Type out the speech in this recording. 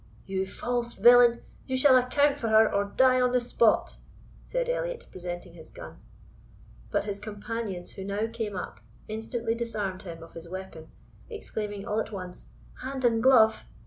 "You false villain, you shall account for her, or die on the spot," said Elliot, presenting his gun. But his companions, who now came up, instantly disarmed him of his weapon, exclaiming, all at once, "Hand and glove!